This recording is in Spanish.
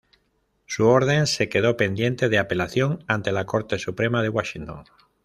Su orden se quedó pendiente de apelación ante la Corte Suprema de Washington.